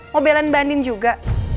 mau belan belanin juga